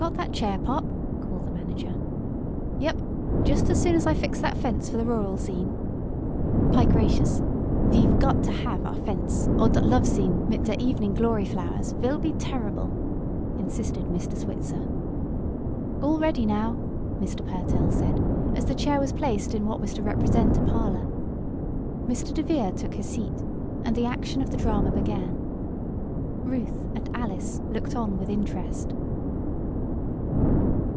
"Got that chair, Pop?" called the manager. "Yep. Just as soon as I fix that fence for the rural scene." "Yah! Py gracious, ve got t' haf our fence or dot love scene mit der evening glory flowers vill be terrible!" insisted Mr. Switzer. "All ready, now!" Mr. Pertell said, as the chair was placed in what was to represent a parlor. Mr. DeVere took his seat, and the action of the drama began. Ruth and Alice looked on with interest.